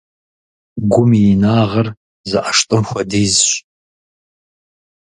Гум и инагъыр зы ӀэштӀым хуэдизщ.